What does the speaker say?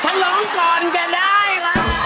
ฉันร้องก่อนก็ได้